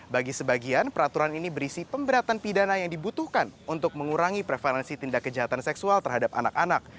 bagi sebagian peraturan ini berisi pemberatan pidana yang dibutuhkan untuk mengurangi prevalensi tindak kejahatan seksual terhadap anak anak